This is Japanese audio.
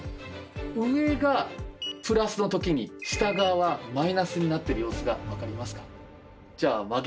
上がプラスのときに下側はマイナスになってる様子が分かりますか？